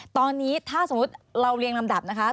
ตอนนี้ถ้าสมมุติเราเรียงลำดับนะคะ